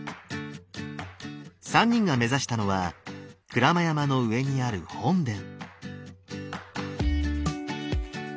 ３人が目指したのは鞍馬山の上にある本殿。